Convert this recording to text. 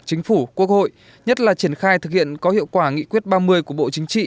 chính phủ quốc hội nhất là triển khai thực hiện có hiệu quả nghị quyết ba mươi của bộ chính trị